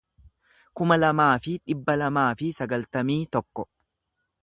kuma lamaa fi dhibba lamaa fi sagaltamii tokko